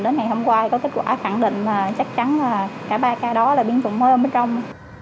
đến ngày hôm qua thì có kết quả khẳng định là chắc chắn là cả ba cái đó là biến chủng mới ở bên trong